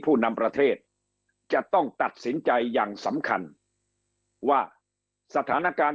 ผู้นำประเทศจะต้องตัดสินใจอย่างสำคัญว่าสถานการณ์